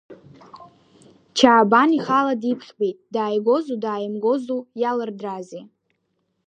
Чаабан ихала диԥхьбеит, дааигозу дааимгозу иалырдраази?